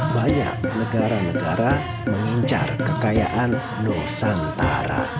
banyak negara negara mengincar kekayaan nusantara